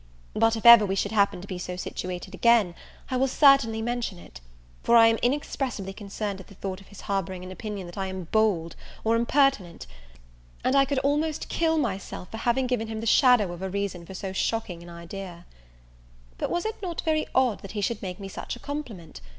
But, if ever we should happen to be so situated again, I will certainly mention it; for I am inexpressibly concerned at the thought of his harbouring an opinion that I am bold or impertinent, and I could almost kill myself for having given him the shadow of a reason for so shocking an idea. But was not it very odd that he should make me such a compliment?